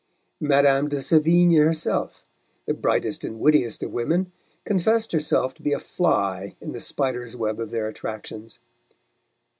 Madame de Sévigné herself, the brightest and wittiest of women, confessed herself to be a fly in the spider's web of their attractions.